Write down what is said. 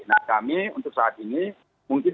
nah kami untuk saat ini mungkin